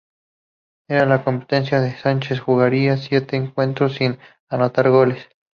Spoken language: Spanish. En la competencia Sánchez jugaría siete encuentros sin anotar goles.